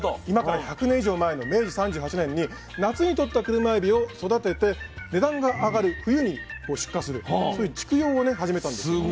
今から１００年以上前の明治３８年に夏にとったクルマエビを育てて値段が上がる冬に出荷するそういう畜養をね始めたんです。